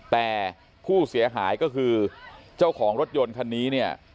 แต่ผู้เสียหายก็คือเจ้าของรถยนต์คันนี้เนี่ย